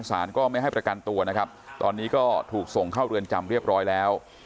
สารก็ไม่ให้ประกันตัวนะครับตอนนี้ก็ถูกส่งเข้าเรือนจำเรียบร้อยแล้ว